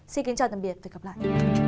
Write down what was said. xin kính chào tạm biệt và hẹn gặp lại